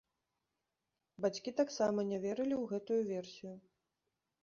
Бацькі таксама не верылі ў гэтую версію.